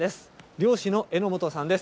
漁師の榎本さんです。